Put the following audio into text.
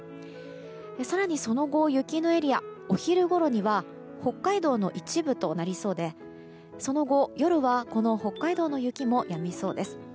更にその後、雪のエリアお昼ごろには北海道の一部となりそうでその後、夜は北海道の雪もやみそうです。